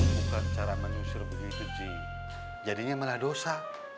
bukan cara menyusur begitu ji jadinya malah dosa